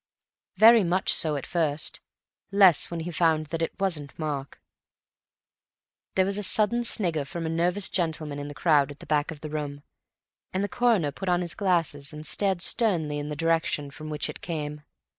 "Very much so at first. Less when he found that it wasn't Mark." There was a sudden snigger from a nervous gentleman in the crowd at the back of the room, and the Coroner put on his glasses and stared sternly in the direction from which it came.